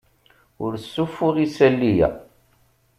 Ur ssuffuɣ isali-a.